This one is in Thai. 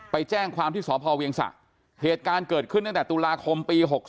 ไปแจ้งความที่สพเวียงสะเหตุการณ์เกิดขึ้นตั้งแต่ตุลาคมปี๖๓